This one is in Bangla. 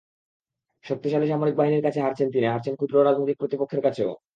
শক্তিশালী সামরিক বাহিনীর কাছে হারছেন তিনি, হারছেন ক্ষুদ্র রাজনৈতিক প্রতিপক্ষের কাছেও।